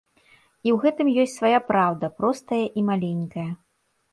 І ў гэтым ёсць свая праўда, простая і маленькая.